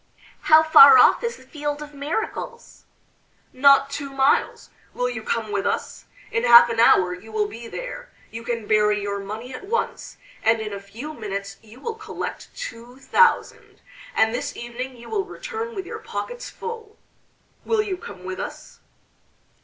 "How far off is the Field of Miracles?" "Not two miles. Will you come with us? In half an hour you will be there. You can bury your money at once, and in a few minutes you will collect two thousand, and this evening you will return with your pockets full. Will you come with us?"